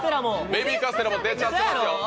ベビーカステラも出ちゃってます。